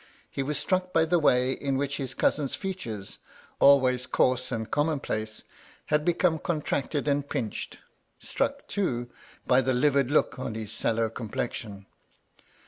He was struck by the way in which his cousin's features — always coarse and common place — had become contracted and pinched; struck, too, by the livid look on his sallow complexion.